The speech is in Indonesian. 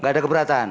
tidak ada keberatan